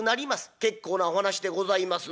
結構なお話でございますな』。